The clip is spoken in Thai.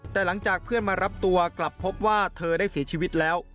แต่หลังจากเพื่อนมารับตัวกลับพบว่าเธอได้เสียชีวิตแล้ว